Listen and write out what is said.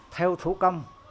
theo thủ công